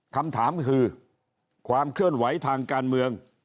คำถามคือความเคลื่อนไหวทางการเมือง